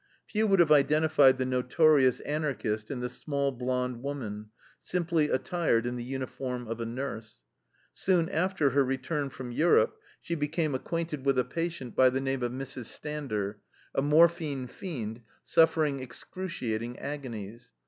Few would have identified the "notorious Anarchist" in the small blonde woman, simply attired in the uniform of a nurse. Soon after her return from Europe she became acquainted with a patient by the name of Mrs. Stander, a morphine fiend, suffering excruciating agonies.